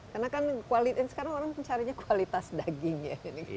karena kan sekarang orang caranya kualitas daging ya